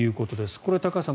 これ、高橋さん